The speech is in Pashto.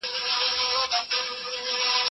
سياسي اختلافاتو پخوا هم لويي جګړې رامنځته کړي وې.